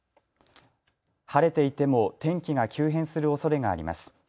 晴れていても天気が急変するおそれがあります。